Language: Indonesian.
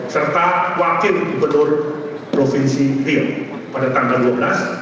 serta wakil gubernur provinsi bin pada tanggal dua belas